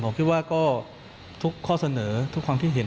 ผมคิดว่าก็ทุกข้อเสนอทุกความคิดเห็น